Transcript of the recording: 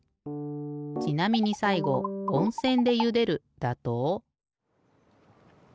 ちなみにさいごおんせんでゆでるだと。